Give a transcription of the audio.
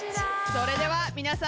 それでは皆さん。